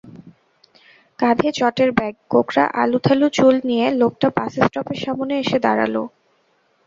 কাঁধে চটের ব্যাগ, কোঁকড়া আলুথালু চুল নিয়ে লোকটা বাসস্টপের সামনে এসে দাঁড়াল।